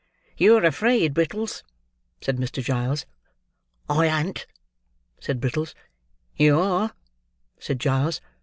"You are afraid, Brittles," said Mr. Giles. "I an't," said Brittles. "You are," said Giles.